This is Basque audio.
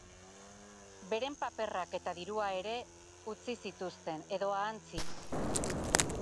Beren paperrak eta dirua ere utzi zituzten, edo ahantzi.